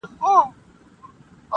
o څوک وتله څوک په غار ننوتله,